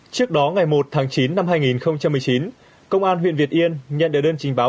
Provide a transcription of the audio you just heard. trước đó ngày một tháng chín năm hai nghìn một mươi chín công an huyện việt yên nhận được đơn trình báo